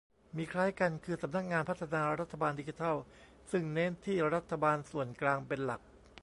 มีคล้ายกันคือ สำนักงานพัฒนารัฐบาลดิจิทัล ซึ่งเน้นที่รัฐบาลส่วนกลางเป็นหลัก